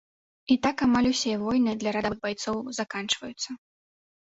І так амаль усе войны для радавых байцоў заканчваюцца.